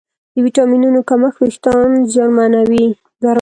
د ویټامینونو کمښت وېښتيان زیانمنوي.